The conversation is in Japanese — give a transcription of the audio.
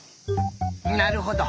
なるほど。